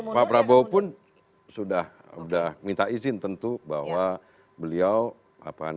pak prabowo pun sudah minta izin tentu bahwa beliau apa namanya